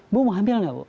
bu mau hamil gak bu